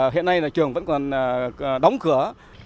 hiện nay trường vẫn còn đóng cửa